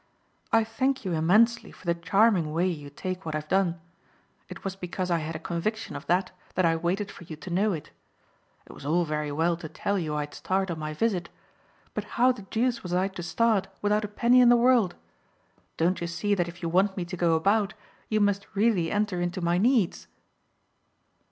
"I thank you immensely for the charming way you take what I've done; it was because I had a conviction of that that I waited for you to know it. It was all very well to tell you I'd start on my visit but how the deuce was I to start without a penny in the world? Don't you see that if you want me to go about you must really enter into my needs?"